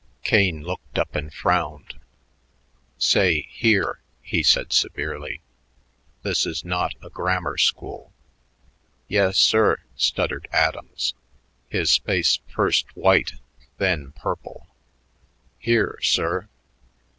Kane looked up and frowned. "Say 'here,'" he said severely. "This is not a grammar school." "Yes, sir," stuttered Adams, his face first white then purple. "Here, sir."